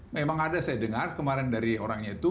memang ada saya dengar kemarin dari orangnya itu